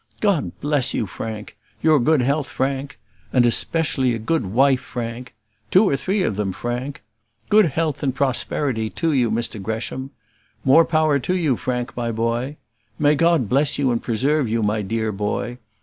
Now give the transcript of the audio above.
"God bless you, Frank!" "Your good health, Frank!" "And especially a good wife, Frank!" "Two or three of them, Frank!" "Good health and prosperity to you, Mr Gresham!" "More power to you, Frank, my boy!" "May God bless you and preserve you, my dear boy!"